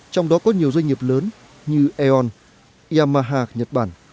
trong đó có nhiều doanh nghiệp lớn như e on yamaha nhật bản